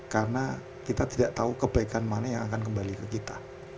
karena kita tidak tahu kebaikan mana yang akan kembali ke kita